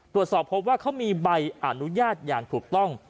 ตรวจสอบพบว่าเขามีใบอนุญาตอย่างถูกต้อง